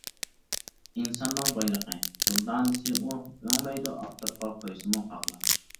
ئىنساننىڭ بايلىقى، دۇردانىسى ئۇ، ئۆڭمەيدۇ ئاپتاپقا قويسىمۇ قاقلاپ.